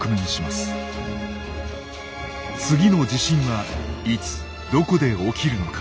次の地震はいつどこで起きるのか。